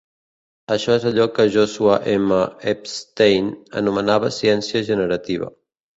Això és allò que Joshua M. Epstein anomena ciència generativa.